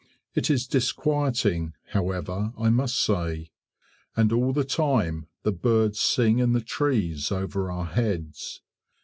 It is disquieting, however, I must say. And all the time the birds sing in the trees over our heads.